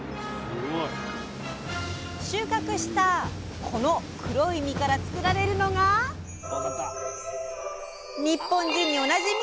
収穫したこの黒い実からつくられるのが日本人におなじみ。